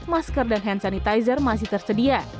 masker dan hand sanitizer masih tersedia